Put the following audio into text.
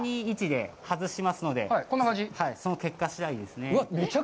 ３、２、１で外しますので、その結果次第ですね。